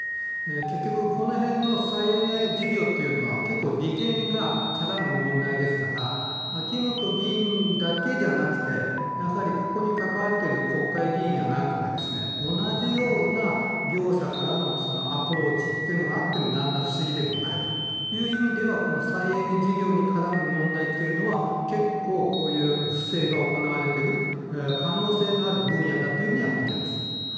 結局、この辺の再エネ事業というのは結構、利権が絡む問題ですから秋本議員だけじゃなくてここに関わっている国会議員やなんかが同じような業者からのアプローチがあっても何ら不思議ではない。という意味ではこの再エネ事業に絡む問題というのは結構、こういう不正が行われている可能性がある分野だというふうには見てます。